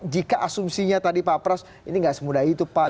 jika asumsinya tadi pak pras ini tidak semudah itu pak